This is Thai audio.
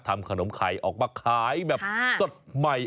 ทำขนมไข่ออกมาขายแบบสดใหม่